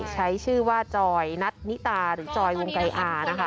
ใช้ชื่อว่าจอยนัทนิตาหรือจอยวงไกรอานะคะ